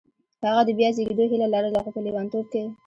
هغه د بیا زېږېدو هیله لرله خو په لېونتوب کې